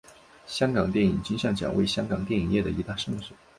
香港电影金像奖为香港电影业的一大盛事。